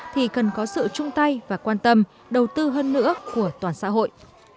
thì cần có sự chung tay và quan tâm đầu tư hơn nữa của toàn xã hội